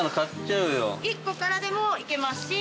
１個からでもいけますし。